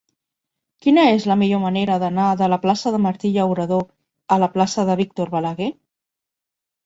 Quina és la millor manera d'anar de la plaça de Martí Llauradó a la plaça de Víctor Balaguer?